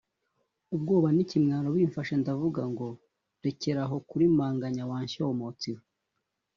ubwoba n ikimwaro bimfashe ndavuga ngo rekeraho kurimanganya wa nshyomotsi we